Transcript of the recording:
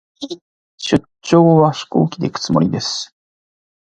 出張は、飛行機で行くつもりです。